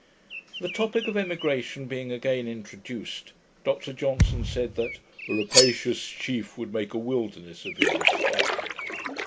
The topick of emigration being again introduced, Dr Johnson said, that 'a rapacious chief would make a wilderness of his estate'.